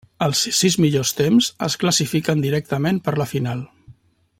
Els sis millors temps es classifiquen directament per a la final.